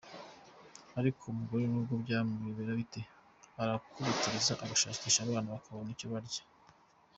Ariko umugore n’ubwo byamuyobera bite, arakutiriza agashakisha abana bakabona icyo kurya.